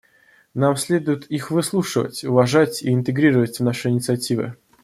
Нам следует их выслушивать, уважать и интегрировать в наши инициативы.